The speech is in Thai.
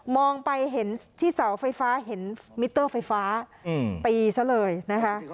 ไปเห็นที่เสาไฟฟ้าเห็นมิเตอร์ไฟฟ้าตีซะเลยนะคะ